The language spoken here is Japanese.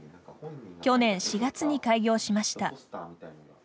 去年４月に開業しました。